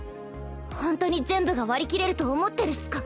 ほんとに全部が割り切れると思ってるっスか？